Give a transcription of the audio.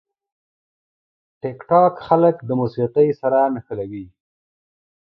ټیکټاک خلک د موسیقي سره نښلوي.